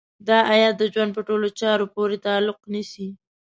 دا ايت د ژوند په ټولو چارو پورې تعلق نيسي.